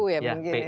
pu ya mungkin